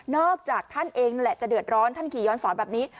จากท่านเองนั่นแหละจะเดือดร้อนท่านขี่ย้อนสอนแบบนี้